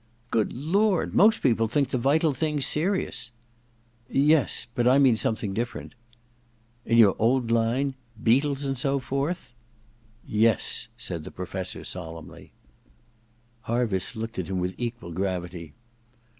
•Good Lord! Most people think "The Vital Thing " 's serious.' * Yes — but I mean something different.* * In your old line — beetles and so forth ?'* Yes,' said the Professor solemnly. Harviss looked at him with equal gravity.